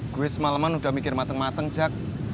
gue semalaman udah mikir mateng mateng jak